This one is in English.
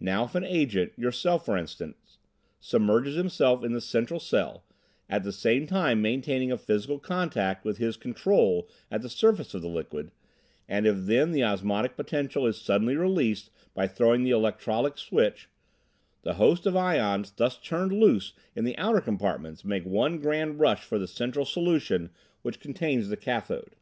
"Now if an Agent yourself for instance submerges himself in the central cell, at the same time maintaining a physical contact with his Control at the surface of the liquid, and if then the osmotic potential is suddenly released by throwing the electrolytic switch, the host of ions thus turned loose in the outer compartments make one grand rush for the center solution, which contains the cathode.